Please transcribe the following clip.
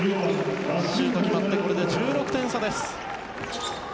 シュートが決まってこれで１６点差です。